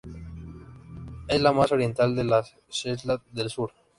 Es la más oriental de las Shetland del Sur.